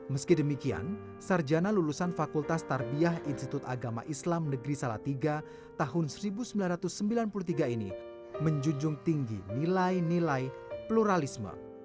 meski demikian sarjana lulusan fakultas tarbiah institut agama islam negeri salatiga tahun seribu sembilan ratus sembilan puluh tiga ini menjunjung tinggi nilai nilai pluralisme